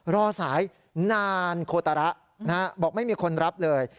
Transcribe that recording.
รอสายนานโคตระบอกไม่มีคนรับเลย